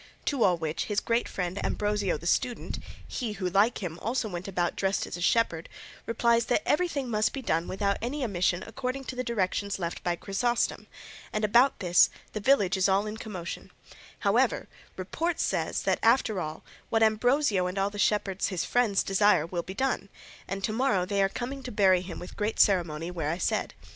To all which his great friend Ambrosio the student, he who, like him, also went dressed as a shepherd, replies that everything must be done without any omission according to the directions left by Chrysostom, and about this the village is all in commotion; however, report says that, after all, what Ambrosio and all the shepherds his friends desire will be done, and to morrow they are coming to bury him with great ceremony where I said.